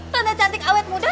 tante cantik awet muda